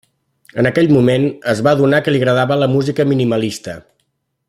En aquell moment es va adonar que li agradava la música minimalista.